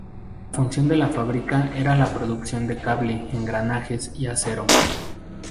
La función de la fábrica era la producción de cable, engranajes y acero.